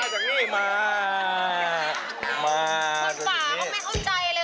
มาทั้งนี้คันหัวงานฝาเขาไม่เข้าใจเลย